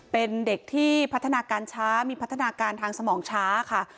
เป็นเด็กที่พัฒนาการช้ามีพัฒนาการทางสมองช้าค่ะ